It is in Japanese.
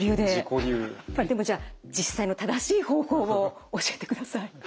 でもじゃあ実際の正しい方法を教えてください。